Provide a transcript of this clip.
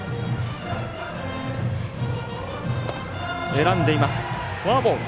選んでいますフォアボール。